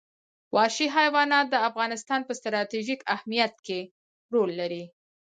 وحشي حیوانات د افغانستان په ستراتیژیک اهمیت کې رول لري.